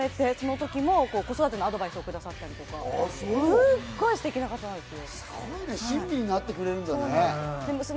最後、子供生まれて、その時も子育てのアドバイスをくださったりとか、すごい、ステキな方なんですよ。